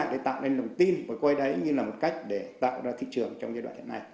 để tạo nên niềm tin và coi đấy như là một cách để tạo ra thị trường trong giai đoạn hiện nay